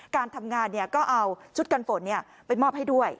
การทำงานก็เอาชุดกันฝนไปมอบให้ด้วย